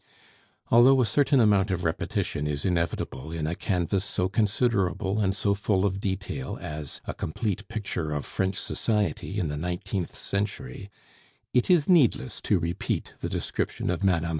Although a certain amount of repetition is inevitable in a canvas so considerable and so full of detail as a complete picture of French society in the nineteenth century, it is needless to repeat the description of Mme.